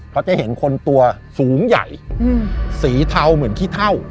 เขาจะเห็นคนตัวสูงใหญ่สีเทาเหมือนขี้เท่า